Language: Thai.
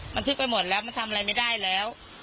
บันทึกไปหมดแล้วมันทำอะไรไม่ได้แล้ว